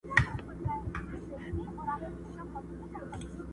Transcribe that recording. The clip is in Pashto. څوك به ليكي قصيدې د كونړونو،